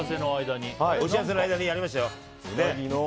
お知らせの間にやりましたよ。